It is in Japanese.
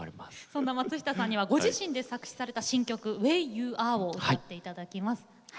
そんな松下さんにはご自身で作詞された新曲「ＷａｙＹｏｕＡｒｅ」を歌って頂きます。